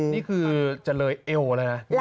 นี่คือเจริญเอวแล้ว